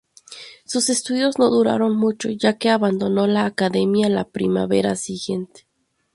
Sus estudios no duraron mucho, ya que abandonó la academia la primavera siguiente.